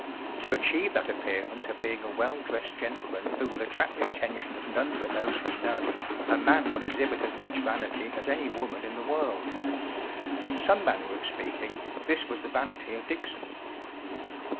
To achieve that appearance of being a well dressed gentleman who will attract the atten¬ tion of none but those who know, a man will exhibit as much vanity as any woman in the world. In some manner of speaking, this was the vanity of Dickson.